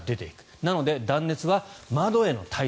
なので断熱は窓への対策